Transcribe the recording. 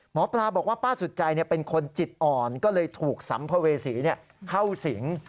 หมอปลาบอกว่าป้าสุดใจเป็นคนจิตอ่อนก็เลยถูกสัมภเวษีเข้าสิง